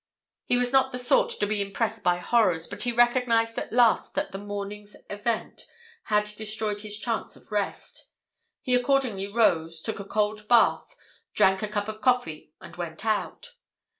He was not the sort to be impressed by horrors, but he recognized at last that the morning's event had destroyed his chance of rest; he accordingly rose, took a cold bath, drank a cup of coffee, and went out.